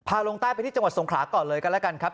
ลงใต้ไปที่จังหวัดสงขลาก่อนเลยกันแล้วกันครับ